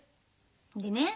でね